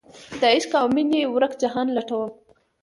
دعشق اومینې ورک جهان لټوم